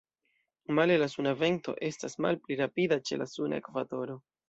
Male, la suna vento estas malpli rapida ĉe la suna ekvatoro.